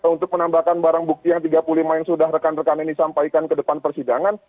untuk menambahkan barang bukti yang tiga puluh lima yang sudah rekan rekan ini sampaikan ke depan persidangan